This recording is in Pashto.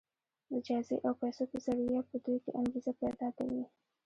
د جايزې او پيسو په ذريعه په دوی کې انګېزه پيدا کوي.